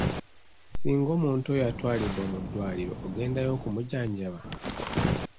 Singa omuntu oyo atwalibwa mu ddwaliro ogendayo okumujjanjaba?